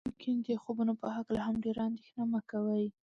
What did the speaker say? لیکن د خوبونو په هکله هم ډیره اندیښنه مه کوئ.